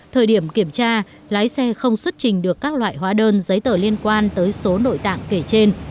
thời điểm kiểm tra lái xe không xuất trình được các loại hóa đơn giấy tờ liên quan tới số nội tạng kể trên